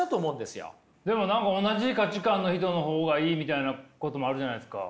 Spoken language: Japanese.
でも何か同じ価値観の人の方がいいみたいなこともあるじゃないですか。